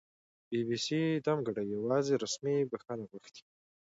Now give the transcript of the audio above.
بي بي سي دمګړۍ یواځې رسمي بښنه غوښتې